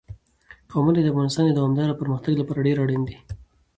قومونه د افغانستان د دوامداره پرمختګ لپاره ډېر اړین دي.